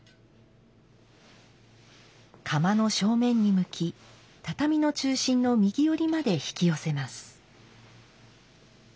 釜の正面に向き畳の中心の右寄りまで引き寄せます。